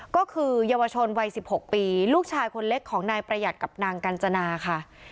ก็คือเยาวชนวัย๑๖ปีลูกชายคนเล็กของนายประหยัดกับนางกัญจนาค่ะ